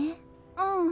うん。